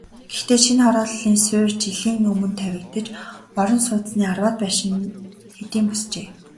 Гэхдээ шинэ хорооллын суурь жилийн өмнө тавигдаж, орон сууцны арваад байшин хэдийн босжээ.